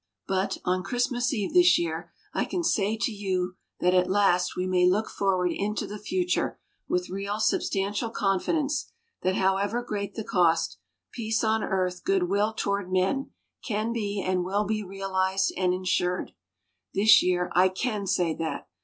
But on Christmas Eve this year I can say to you that at last we may look forward into the future with real, substantial confidence that, however great the cost, "peace on earth, good will toward men" can be and will be realized and ensured. This year I can say that.